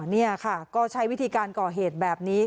นี่ค่ะก็ใช้วิธีการก่อเหตุแบบนี้